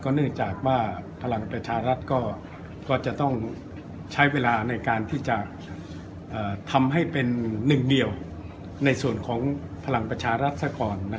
เนื่องจากว่าพลังประชารัฐก็จะต้องใช้เวลาในการที่จะทำให้เป็นหนึ่งเดียวในส่วนของพลังประชารัฐซะก่อน